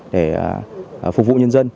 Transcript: để phục vụ nhân dân